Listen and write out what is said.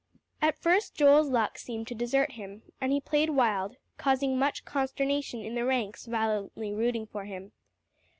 At first Joel's luck seemed to desert him, and he played wild, causing much consternation in the ranks violently rooting for him.